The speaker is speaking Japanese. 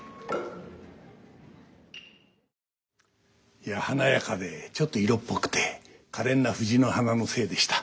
いや華やかでちょっと色っぽくてかれんな藤の花の精でした。